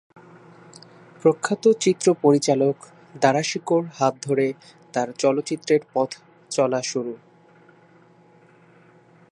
প্রখ্যাত চিত্র পরিচালক দারাশিকো’র হাত ধরে তার চলচ্চিত্রের পথচলা শুরু।